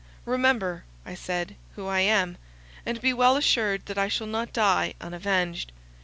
"Remember," I said, "who I am; and be well assured that I shall not die unavenged.